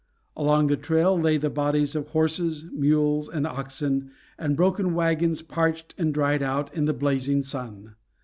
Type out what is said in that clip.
Along the trail lay the bodies of horses, mules, and oxen, and broken wagons parched and dried out in the blazing sun.